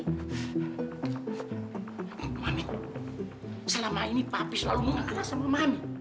mami selama ini papi selalu mengalah sama mami